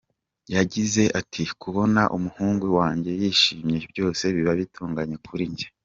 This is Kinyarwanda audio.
Yagize ati, “Kubona umuhungu wanjye yishimye byose biba bitunganye kuri njye”.